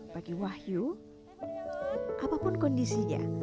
bagi wahyu apapun kondisinya